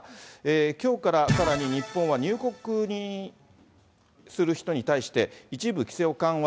きょうからさらに日本は入国する人に対して、一部規制を緩和。